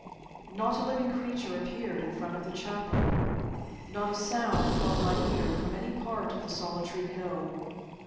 Not a living creature appeared in front of the chapel. Not a sound caught my ear from any part of the solitary hill.